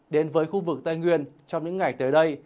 đến với khu vực tây nguyên trong những ngày tới đây